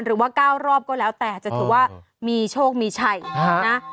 หรือว่า๙รอบก็แล้วแต่จะถือว่ามีโชคมีชัยนะ